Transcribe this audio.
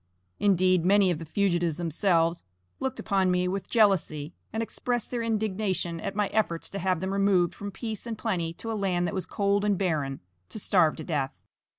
Indeed, many of the fugitives themselves looked upon me with jealousy, and expressed their indignation at my efforts to have them removed from peace and plenty to a land that was cold and barren, to starve to death.